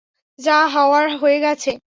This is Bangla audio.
যা হওয়ার হয়ে গেছে।